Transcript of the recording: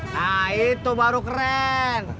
nah itu baru keren